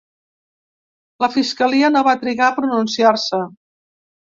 La fiscalia no va trigar a pronunciar-se.